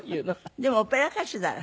でもオペラ歌手なら。